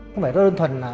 không phải đơn thuần